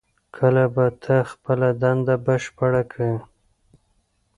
کله به ته خپله دنده بشپړه کړې؟